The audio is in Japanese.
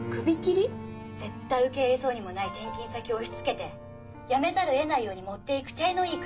絶対受け入れそうにもない転勤先押しつけて辞めざるをえないようにもっていく体のいい